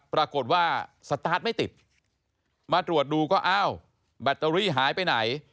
ปรากฏว่าสตาร์ทไม่ติดมาตรวจดูก็อ้าวแบตเตอรี่หายไปไหน